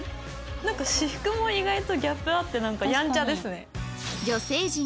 なんか私服も意外とギャップあってやんちゃですね。